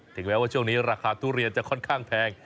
แม้ว่าช่วงนี้ราคาทุเรียนจะค่อนข้างแพง